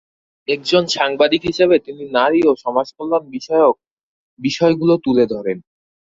একজন সাংবাদিক হিসেবে তিনি নারী ও সমাজকল্যাণ বিষয়ক বিষয়গুলো তুলে ধরেন।